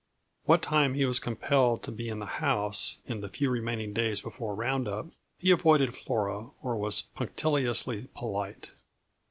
What time he was compelled to be in the house, in the few remaining days before round up, he avoided Flora or was punctiliously polite.